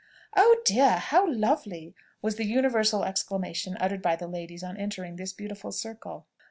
"Oh dear! how lovely!" was the universal exclamation uttered by the ladies on entering this beautiful circle.